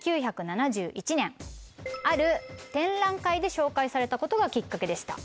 １９７１年ある展覧会で紹介されたことがきっかけでした。